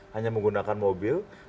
hanya menggunakan mobil